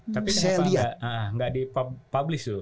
tapi kenapa tidak di publis tuh